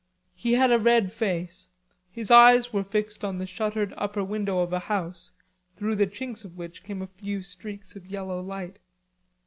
He had a red face, his eyes were fixed on the shuttered upper window of a house, through the chinks of which came a few streaks of yellow light.